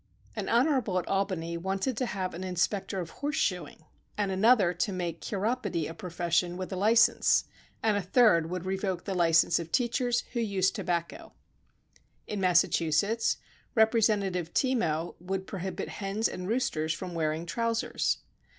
An honorable at Albany wanted to have an inspector of horse shoeing, and another to. make chiropody a profession with a license, and a third would revoke the license of teachers who used tobacco. In Massa chusetts, Representative Teamoh would prohibit hens and roosters from wearing trousers.